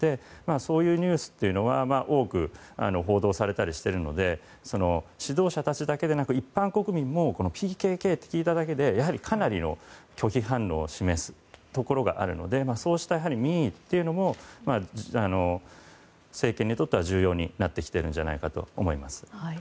そういうニュースというのは多く報道されたりしているので指導者たちだけでなく一般国民もＰＫＫと聞いただけでやはりかなりの拒否反応を示すところがあるのでそうした民意というのも政権にとっては重要になってきているのではないかと思います。